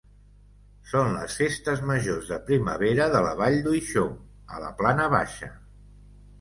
Són les festes majors de primavera de la Vall d'Uixó, a la Plana Baixa.